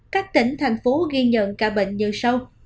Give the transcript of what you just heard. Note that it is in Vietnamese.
các tỉnh thành phố ghi nhận ca bệnh như sâu